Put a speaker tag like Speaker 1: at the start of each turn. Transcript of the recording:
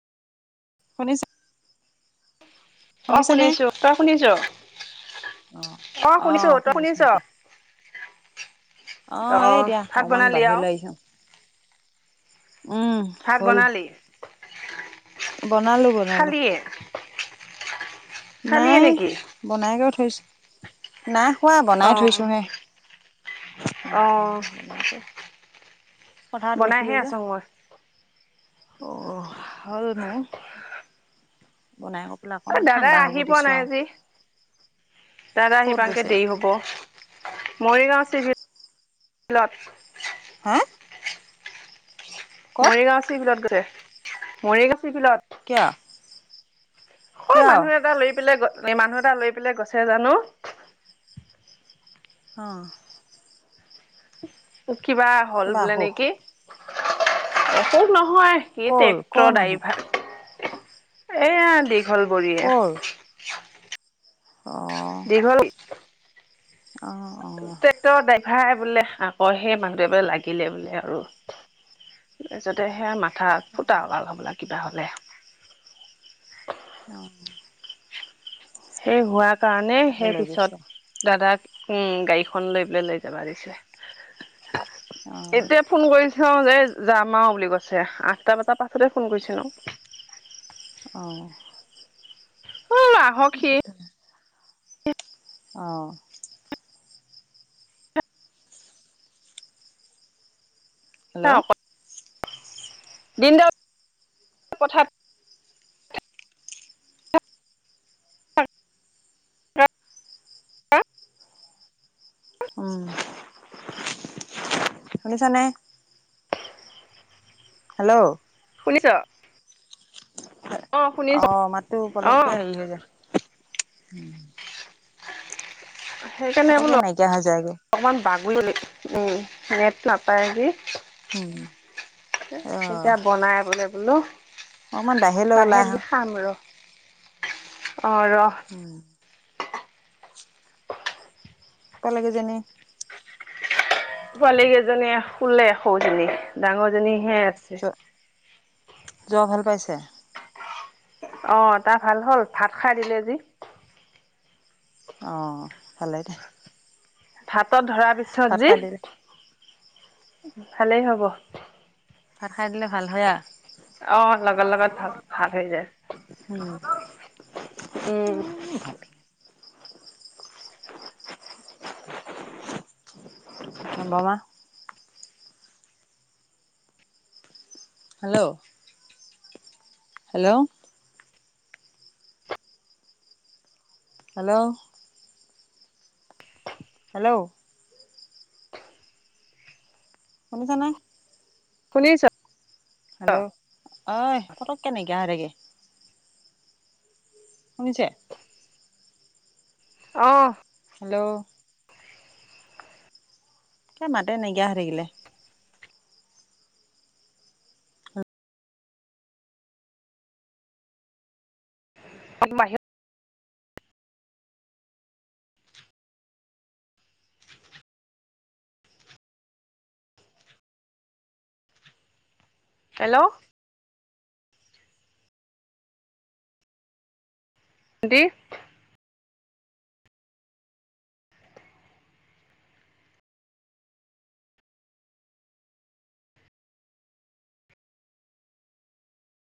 Speaker 1: শুনিছা?
Speaker 2: অ'
Speaker 1: শুনিছানে?
Speaker 2: শুনিছো, তই শুনিছ? অ শুনিছো, তই শুনিছ?
Speaker 1: অ' এ এ দিয়া
Speaker 2: ভাত
Speaker 1: অকমান
Speaker 2: বনালি আও
Speaker 1: বাহিৰলৈ আহিছো উম।
Speaker 2: ভাত
Speaker 1: হ'ল
Speaker 2: বনালি?
Speaker 1: বনালো, বনালো,
Speaker 2: খালিয়ে খালিয়ে
Speaker 1: নাই
Speaker 2: নেকি
Speaker 1: বনাই কৰি থৈছোঁ। নাই খোৱা
Speaker 2: অ
Speaker 1: বনাই থৈছো হে
Speaker 2: অ
Speaker 1: বনাই কৰি পথাৰত
Speaker 2: বনাইহে
Speaker 1: গৈছিলোঁ যে।
Speaker 2: আছো মই
Speaker 1: অ' হ'ল মোৰ বনাই ক।
Speaker 2: অ দাদা আহি পোৱা নাই আজি দাদা আহি
Speaker 1: ক'ত
Speaker 2: পাংতে
Speaker 1: গৈছে?
Speaker 2: দেৰি হব। মৰিগাঁও চিভিলত।
Speaker 1: হা ক'ত
Speaker 2: মৰিগাঁও চি বিলত গৈছে মৰিগাঁও চি বিলত
Speaker 1: কিয়
Speaker 2: অ
Speaker 1: কিয়?
Speaker 2: মানুহ এটা লৈ পেলাই মানুহ এটা লৈ পেলাই গৈছে জানো
Speaker 1: অঁ
Speaker 2: কিবা হ'ল
Speaker 1: কিবা
Speaker 2: বোলে
Speaker 1: অসুখ
Speaker 2: নেকি অসুখ নহয় সি
Speaker 1: কৰ কৰ
Speaker 2: ট্ৰেক্টৰ
Speaker 1: মানুহ
Speaker 2: ড্ৰাইভাৰ এয়া দীঘল বৰীয়ে
Speaker 1: কৰ? অ',
Speaker 2: দীঘল
Speaker 1: অ অ',
Speaker 2: ট্ৰেক্টৰ ড্ৰাইভাৰ বোলে আকৌ সেই মানুহটো বোলে লাগিলে বোলে আৰু তাৰপিছতে সেয়া মাথাত ফুটা ওলাল হবলা কিবা হলে
Speaker 1: অঁ
Speaker 2: সেই হোৱাৰ কাৰণে
Speaker 1: তাকে
Speaker 2: সেই
Speaker 1: লৈ গৈছে।
Speaker 2: পিছত দাদাক উম গাড়ীখন লৈ পেলাই লৈ যাবা দিছে
Speaker 1: অ',
Speaker 2: এতিয়া ফোন কৰিছিল যে যাম আৰু বুলি কৈছে আঠটা বজাৰ পাছতে ফোন কৰিছিলো
Speaker 1: অ
Speaker 2: অ আহক সি
Speaker 1: অঁ হেল্ল'
Speaker 2: দিনটো পথাত [unintelligible]
Speaker 1: উম শুনিছা নে হেল্ল'
Speaker 2: শুনিছা
Speaker 1: অ মাতো
Speaker 2: অ
Speaker 1: অলপকে উলিয়ায় দিয়া
Speaker 2: সেইকাৰণে
Speaker 1: পতকে
Speaker 2: বোলো
Speaker 1: নাইকিয়া হৈ যায়গৈ
Speaker 2: অকণমান বাগৰিল নেট নাপায় যে
Speaker 1: উম অ
Speaker 2: এতিয়া বনাই বোলে বোলো
Speaker 1: অকমান বাহিৰলৈ ওলাই
Speaker 2: বাহিৰত
Speaker 1: আহা
Speaker 2: গৈ খাম ৰ অ ৰ
Speaker 1: উম এক লাগে যেনি
Speaker 2: পোৱালী কেইজনীয়ে শুলে সৌজনী ডাঙৰজনীহে আছে
Speaker 1: জৰ ভাল পাইছে
Speaker 2: অ তাৰ ভাল হ'ল ভাত খাই দিলে আজি
Speaker 1: অ ভালেই দে
Speaker 2: ভাতত ধৰ
Speaker 1: ভাত
Speaker 2: পিছত
Speaker 1: খাই দিলে
Speaker 2: যি ভালেই হ'ব
Speaker 1: ভাত খাই দিলে ভাল হয় আৰু
Speaker 2: অ লগৰ লগত ভাল ভাল হৈ যায়
Speaker 1: উম
Speaker 2: উম
Speaker 1: [inaudible]
Speaker 2: [unintelligible]
Speaker 1: বৰমা হেল্ল' হেল্ল' হেল্ল' হেল্ল' শুনিছানে?
Speaker 2: শুনিছোঁ।
Speaker 1: হেল্ল' অ্' পতককে নাইকিয়া হৈ থাকে। শুনিছে?
Speaker 2: অ্ঁ।
Speaker 1: হেল্ল' এ মাতে নাইকিয়া হৈ থাকিলে।
Speaker 2: [unintelligible] হেল্ল' দি